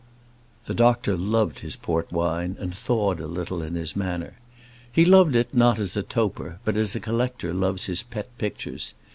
The doctor loved his port wine, and thawed a little in his manner. He loved it not as a toper, but as a collector loves his pet pictures.